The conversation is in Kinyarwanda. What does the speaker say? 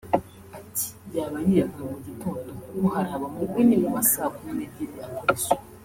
Ati “Yaba yiyahuye mu gitondo kuko hari abamubonye mu ma saa kumi n’ebyiri akora isuku